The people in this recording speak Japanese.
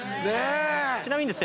ちなみに私はですね